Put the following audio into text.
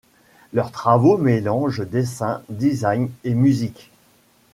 Leurs travaux mélangent dessin, design et musique.